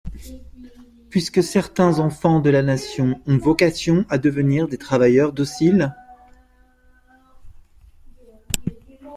puisque certains enfants de la nation ont vocation à devenir des travailleurs dociles ?